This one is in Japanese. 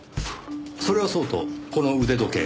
それはそうとこの腕時計。